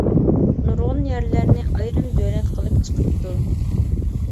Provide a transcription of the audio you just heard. نۇرغۇن يەرلەرنى ئايرىم دۆلەت قىلىپ چىقىپتۇ.